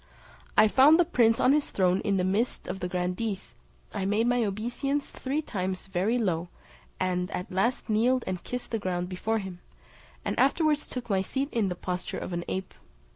I found the prince on his throne in the midst of the grandees; I made my obeisance three times very low, and at last kneeled and kissed the ground before him, and afterwards took my seat in the posture of an ape.